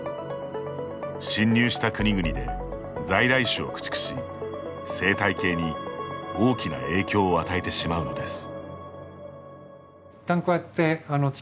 侵入した国々で、在来種を駆逐し生態系に大きな影響を与えてしまうのです。